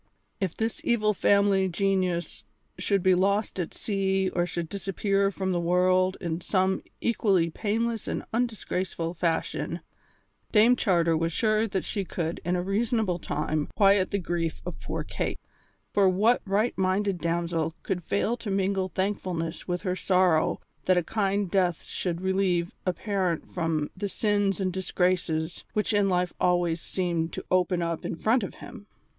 If this evil family genius should be lost at sea or should disappear from the world in some equally painless and undisgraceful fashion, Dame Charter was sure that she could in a reasonable time quiet the grief of poor Kate; for what right minded damsel could fail to mingle thankfulness with her sorrow that a kind death should relieve a parent from the sins and disgraces which in life always seemed to open up in front of him.